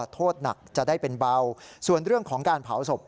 โทษหนักจะได้เป็นเบาส่วนเรื่องของการเผาศพ